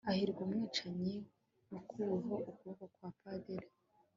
Hahirwa umwicanyi wakuweho ukuboko kwa padiri